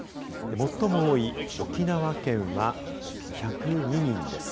最も多い沖縄県は１０２人です。